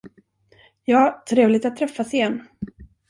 Ja, trevligt att träffas igen.